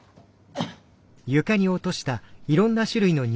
あっ。